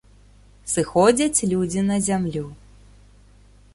Сыходзяць людзі на зямлю.